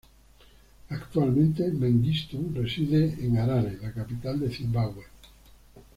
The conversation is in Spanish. Actualmente Mengistu reside en Harare, la capital de Zimbabue.